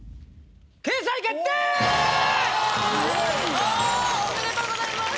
うわおめでとうございます。